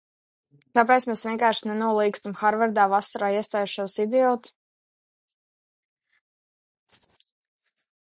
Kāpēc mēs vienkārši nenolīgstam Hārvardā vasarā iestājušos idiotu?